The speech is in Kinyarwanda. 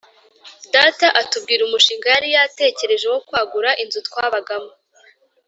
data atubwira umushinga yari yatekereje wo kwagura inzu twabagamo.